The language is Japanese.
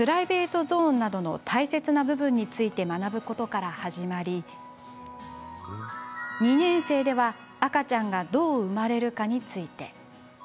トゾーンなどの大切な部分について学ぶことから始まり２年生では、赤ちゃんがどう生まれるかについて。